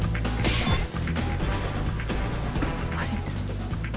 走ってる。